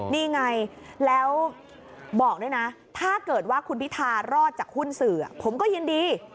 นี่ไงแล้วบอกด้วยนะถ้าเกิดว่าคุณพิธารอดจากหุ้นสื่อผมก็ยินดี